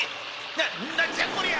ななんじゃこりゃ！